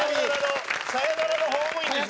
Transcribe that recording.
サヨナラのホームイン。